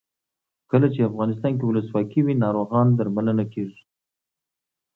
کله چې افغانستان کې ولسواکي وي ناروغان درملنه کیږي.